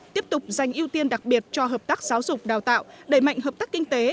tiếp tục dành ưu tiên đặc biệt cho hợp tác giáo dục đào tạo đẩy mạnh hợp tác kinh tế